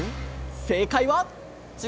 正解は！